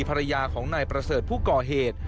ภรรยาของนายประเสริฐผู้ก่อเหตุ